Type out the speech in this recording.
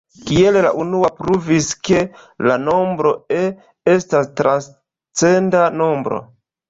Kiel la unua pruvis, ke la nombro "e" estas transcenda nombro.